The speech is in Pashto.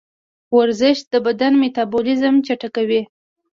ورزش د بدن میتابولیزم چټکوي.